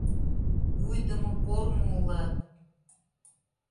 Вуйдымо пормо улат...